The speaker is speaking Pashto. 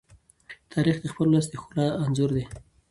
تاریخ د خپل ولس د ښکلا انځور دی.